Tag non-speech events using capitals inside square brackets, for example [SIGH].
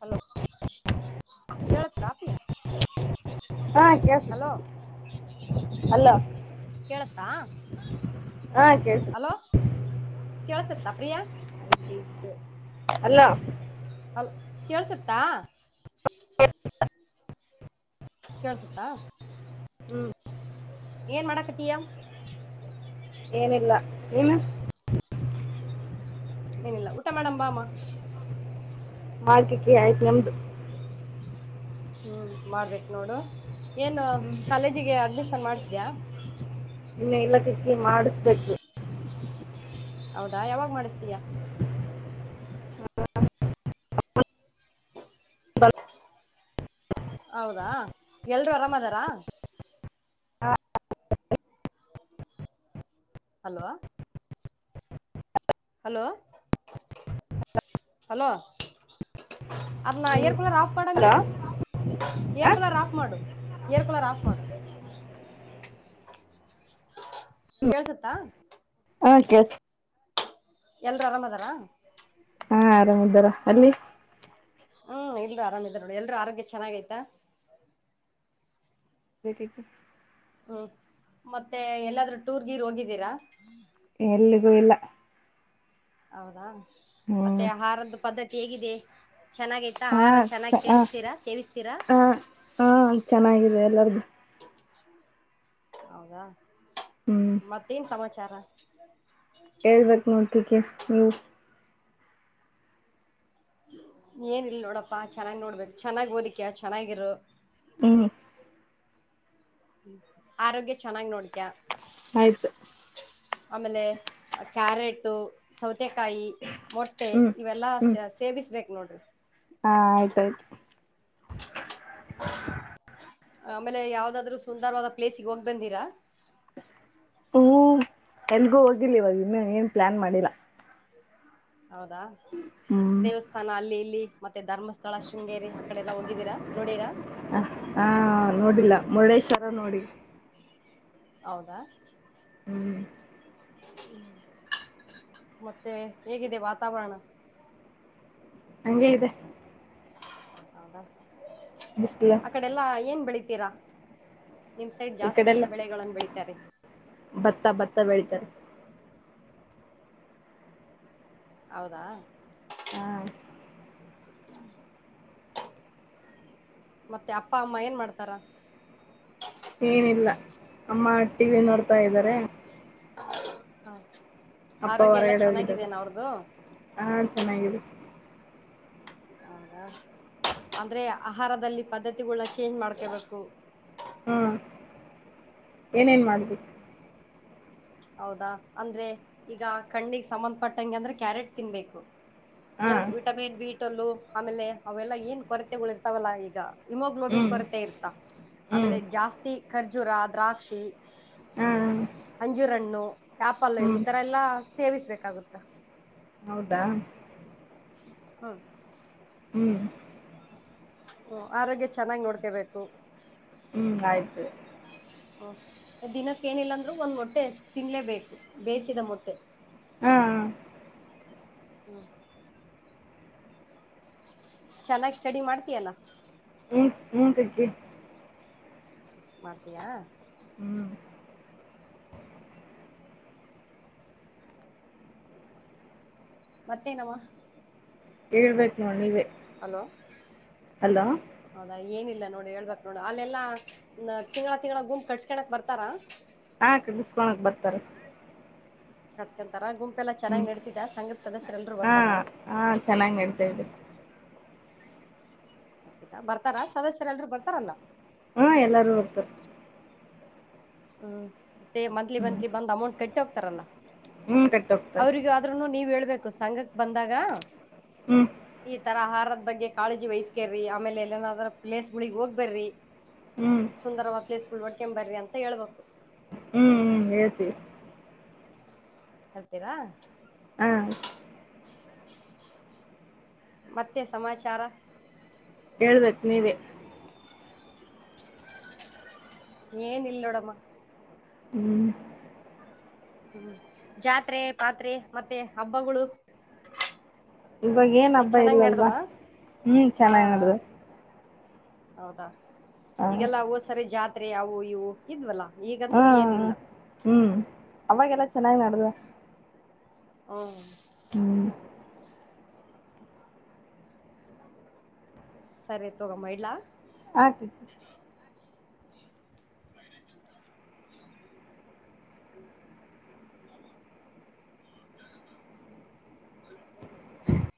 hello ಕಪ್ಪ ಅಪಿ ಹಾ ಕಸ ಅಲ್ಲ ಹಾ ಹಾ ಕಳ್ಸ ಕೇಳಸುತ್ತ ಪ್ರಿಯಾ ಅಲ್ಲ ಅಲ ಕೇಳ್ಸುತ್ತಾ ಕೇಳ್ಸುತ್ತಾ ಹ್ಮ್ ಏನ್ ಮಾಡಕತೀಯಾ ಏನಿಲ್ಲ ನೀನು ಏನಿಲ್ಲ ಊಟ ಮಾಡೇಡ ಬಾಮ ಮಾಡ್ಕಕ್ಕೆ ಆಯ್ತು ನಮ್ದು ಹ್ಞೂ ಮಾಡ್ಬೇಕು ನೋಡು ಏನು ಹ್ಮ್ ಕಾಲೇಜಿಗೆ ಅಡ್ಮಿಷನ್ ಮಾಡ್ಸಿದ್ಯಾ ಇನ್ನು ಇಲ್ಲ ಕ ಕಲಿ [UNINTELLIGIBLE] ಮಾಡಿಸ್ಬೇಕು ಹೌದಾ ಯಾವಾಗ ಮಾಡಿಸ್ತೀಯ ಹೌದಾ ಎಲ್ರು ಅರಾಮ್ದಾರಾ ಹಾ, ಹಲೋ ಹಲೋ ಹಲೋ ಅದು ನಾ ಹ್ಮ್ ಏರ್ ಕೂಲರ್ ಆಫ್ [UNINTELLIGIBLE] ಕೊಡಮಿ ಹಲೋ ಹಾ ಏರ್ಕಲರ್ ಆಫ್ ಮಾಡು ಏರ್ಕಲರ್ ಆಫ್ ಮಾಡು ಕೇಳಸುತ್ತಾ ಆಕ [UNINTELLIGIBLE] ಎಲ್ರ ಆರಾಮ್ ಅದಾರಾ ಹಾ ಆರಾಮ್ದಾರ ಅಲ್ಲಿ ಹ್ಮ್ ಇಲ್ರು ಆರಾಮಿದ್ ನೋಡಿ ಎಲ್ರುೂ ಆರೋಗ್ಯ ಚೆನ್ನಾಗೈತಾ ಅ [UNINTELLIGIBLE] ಹ್ಮ್ ಮತ್ತೆ ಎಲ್ಲಾದರು ಟೂರ್ ಗಿರ್ ಹೋಗಿದ್ದೀರಾ ಎಲ್ಲಿಗೂ ಇಲ್ಲ ಹೌದಾ ಹ್ಮ್ ಮತ್ತೆ ಆಹಾರದ್ದ ಪದ್ಧತಿ [UNINTELLIGIBLE] ಹೇಗಿದೆ ಚೆನ್ನಾಗೈತ ಹಾ ಆಹಾರ ಚೆನ್ನಾಗಿ ಚ- ಹಾ, ಸೇರಿಸ್ತೀರಾ ಸೇವಿಸ್ತೀರ ಅ [UNINTELLIGIBLE] ಹೌದಾ ಹ್ಮ್ ಮತ್ತೇನ್ ಸಮಾಚಾರ [INAUDIBLE] ಹೇಳ್ಬೇಕ ನೋಡ್ತಕ್ಕೆ ನೀ ಏನ ಇಲ್ ನೋಡಪ್ಪಾ ಚೆನ್ನಾಗ್ ನೋಡ್ಬೇಕು ಚೆನ್ನಾಗ್ ಓದಿಕ್ಯ ಚೆನ್ನಾಗಿರು ಹ್ಮ್ ಆರೋಗ್ಯ ಚೆನ್ನಾಗ್ ನೋಡ್ಕ್ಯ ಆಯ್ತು ಆಮೇಲೆ ಕ್ಯಾರೆಟು ಸೌ [UNINTELLIGIBLE] [UNINTELLIGIBLE] ಮೊಟ್ಟೆಕಾಯಿ ಮೊಟ್ಟೆ ಹ್ಮ್ ಇವೆಲ್ಲಾ ಸೇವಿಸ್ಬೇಕು ನೋಡಿ ಹಾ ಆಯ್ತ ಆಯ್ತು ಆಮೇಲೆ ಯಾವ್ದಾದ್ರು ಸುಂದರವಾದ ಪ್ಲೇಸ್ಗೆ ಹೋಗ್ ಬಂದೀರಾ ಹ ಎಲ್ಗೂ ಹೋಗಿಲ್ಲ ಇವಾಗ ಇನ್ನು ಏನ್ ಪ್ಲಾನ್ ಮಾಡಿಲ್ಲ ಹೌದಾ ದೇವಸ್ಥಾನ ಅಲ್ಲಿ ಇಲ್ಲಿ ಮತ್ತೆ ಧರ್ಮಸ್ಥಳ ಶೃಂಗೇರಿ ಆ ಕಡೆಲ್ಲ ಹೋಗಿದ್ದೀರಾ ನೋಡೀರಾ ಹ ಹಾ ನೋಡಿಲ್ಲ ಮುರುಡೇಶ್ವರ ನೋಡಿ ಹೌದಾ ಹ್ಮ್ ಹ್ಮ್ ಮತ್ತೆ ಹೇಗಿದೆ ವಾತಾವರಣ ಹಂಗೆ ಇದೆ ಹೌದ ಬಿಸಿಲು ಆ ಕಡೆಲ್ಲಾ ಏನ್ ಬೆಳ [UNINTELLIGIBLE] ತೇರ ನಿಮ್ ಸೈಡ್ ಈ ಜಾಸ್ತಿ ಕಡೆ ಎಲ್ಲ ಏನ್ ಬೆಳೆಗಳನ್ ಬೆಳೀತಾರೆ ಭತ್ತ ಭತ್ತ ಬೆಳಿತಾರೆ ಹೌದಾ ಹ ಮತ್ತೆ ಅಪ್ಪ ಅಮ್ಮ ಏನ್ ಮಾಡ್ತಾರ ಏನಿಲ್ಲ ಅಮ್ಮ ಟಿ ವಿ ನೋಡ್ತಾ ಇದ್ದಾರೆ ಹ್ಮ ಅಪ್ಪ ಹೊರಗಡೆ ಹೋಗಿದ್ದಿದ್ದಾರೆ ಹ ಚೆನ್ನಾಗಿದೆ ಹೌದಾ ಅಂದ್ರೆ ಆಹಾರದಲ್ಲಿ ಪದ್ಧತಿಗಳ ಚೇಂಜ್ ಮಾಡ್ಕೊಬೇಕು ಹ್ಮ್ ಏನೇನ್ ಮಾಡುದು ಹ್ಮ್ [UNINTELLIGIBLE] ಹೌದಾ ಅಂದ್ರೆ ಈಗ ಕಣ್ಣಿಗೆ ಸಂಬಂಧಪಟ್ಟಂ ಅಂದ್ರೆ ಕ್ಯಾರೆಟ್ ತಿನ್ಬೇಕು ಹಾ ಎಲ್ತ್ ವಿಟಮಿನ್ ಬಿ [UNINTELLIGIBLE] ಆಮೇಲೆ ಅವೆಲ್ಲಾ ಏನ್ ಕೊರತೆಗಳು ಇರ್ತಾವಲ್ಲಾ ಈಗ ಇಮೋಗ್ಲೋಬಿನ್ ಹ್ಮ್ ಕೊರತೆ ಇರ್ತಾ ಹ್ಮ್ ಆಮೇಲೆ ಜಾಸ್ತಿ ಖರ್ಜೂರ ದ್ರಾಕ್ಷಿ ಹಾ ಅಂಜಿರ್ಣು ಆಪಲ್ ಈ ಹ್ಮ್ ತರ ಎಲ್ಲಾ ಸೇವಿಸ ಬೇಕಾಗುತ್ತಾ ಹೌದಾ ಹ್ಮ ಹ್ಮ್ ಹ ಆರೋಗ್ಯ ಚೆನ್ನಾಗಿ ನೋಡ್ಕೊಬೇಕು ಹ್ಮ್ ಆಯ್ತು ಹ್ಂ ದಿನಕ್ಕೇನಿಲ್ಲ ಅಂದರೂ ಒಂದು ಮೊಟ್ಟೆ ತಿನ್ನಲೇಬೇಕು ಬೇಯಿಸಿದ ಮೊಟ್ಟೆ ಹಾ ಹ್ಮ್ ಚೆನ್ನಾಗಿ ಸ್ಟಡಿ ಮಾಡ್ತಿಯಲ್ಲ ಮೂಟಕ್ಕೆ [UNINTELLIGIBLE] ಮಾಡ್ತೀಯಾ ಹ್ಮ್ ಮತ್ತೇನಮ್ಮ ಹೇಳ್ಬೇಕು ನಾನ ನೀವೆ ಹಲೋ ಹೌದಾ ಏನಿಲ್ಲ ನೋಡಿ [UNINTELLIGIBLE] ಹೇಳ್ಬಕ್ ನೋಡು ಅಲ್ಲೆಲ್ಲಾ ತಿಂಗಳಾ ತಿಂಗಳ ಗುಂ ಕಟ್ಸಸ್ಕಳಕ್ ಬರ್ತಾರಾ ತ್ತರ [UNINTELLIGIBLE] ಕರ್ಸ್ಕೊಂತಾರ ಗುಂಪು ಎಲ್ಲಾ ಚೆನ್ನಾಗ್ ನಡ್ತಿದ ಸಂಘತ್ ಸದಸ್ಯರೆ ಎಲ್ರರು ಬರ್ತಾರ ಹಾಂ ಹಾಂ ಚೆನ್ನಾಗಿ ನಡೀತಾ ಇದೆ ಇರ್ತತ ಬರ್ತಾರಾ ಸದಸ್ಯರೆಲ್ರೂ ಬರ್ತಾರಲ್ಲ ಹ್ಮ ಎಲ್ಲಾರೂ ಹೋಗ್ತಾರ ಹ್ಮ್ ಸೇ ಮಂತ್ಲಿ ಹ್ಞೂ ಮಂತ್ಲಿ ಬಂದು ಅಮೌಂಟ್ ಕಟ್ಟಿ ಹೋಗ್ತಾರಲ್ಲ ಹ್ಞೂ ಕಟ್ಟಿ ಹೋಗ್ತಾರೆ ಅವ್ರಿಗ ಆದ್ರನು ನೀವ್ ಹೇಳ್ಬೇಕು ಸಂಘ ಬಂದಾಗ ಹ್ಞೂ ಈ ತರ ಆಹಾರದ ಬಗ್ಗೆ ಕಾಳಜಿ ವಹಸ್ಕೇರ್ರಿ ಆಮೇಲೆ ಎಲ್ಲನಾದರೂ ಪ್ಲೇಸ್ಗಳಿಗೆ ಹೋಗ್ ಬರ್ರಿ ಹ್ಞೂ ಸುಂದರವಾದ ಪ್ಲೇಸ್ಗಳು ಹೊಡ್ಕೊ ಬರ್ರಿ ಅಂತ ಹೇಳ್ಬೇಕು ಹಂಗಗೆತಿ ಹಳ್ತೀರ ಹಾಂ ಮತ್ತೆ ಸಮಾಚಾರ ಹೇಳ್ಬೇಕು ನೀವೇ ಏನ್ ಇಲ್ಲೋಡಮ್ಮ ಹ್ಞೂ ಹ್ಮ್ ಜಾತ್ರೆ ಪಾತ್ರೆ ಮತ್ತೆ ಹಬ್ಬಗಳು ಇವಾಗ ಏನ್ ಈಗ ಹಬ್ಬ ಚೆನ್ನಾಗ್ ಇಲ್ಲಲ್ವಾ ನಡೆದವಾ ಹ್ಮ್ ಚೆನ್ನಾಗಿ ಹಾ ನಡ್ದ ಹೌದಾ ಈಗೆಲ್ಲ ಹವು ಸರಿ ಜಾತಿ ಆದೆ ಯಾವು ಇವು ಇದ್ವಲ್ಲಾ ಈಗಂತೂ ಏನಿಲ್ಲ ಹ್ಮ್ ಅವಾಗೆಲ್ಲ ಚೆನ್ನಾಗಿ ನಡ್ದ ಹ್ಮ ಹ್ಮ ಸರಿ ತಗ ಮ ಇಡ್ಲಾ ಹ ಎಸ್ [INAUDIBLE]